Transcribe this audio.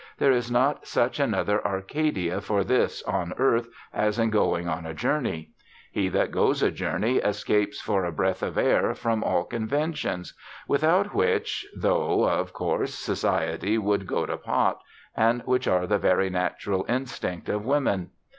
There is not such another Arcadia for this on earth as in going a journey. He that goes a journey escapes, for a breath of air, from all conventions; without which, though, of course, society would go to pot; and which are the very natural instinct of women.